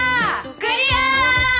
クリアー！